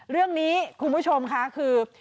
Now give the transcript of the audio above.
เรื่องนี้คุณผู้ชมค่ะคือ